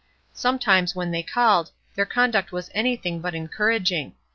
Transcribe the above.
Sometimes when they called their conduct was anything but encouraging.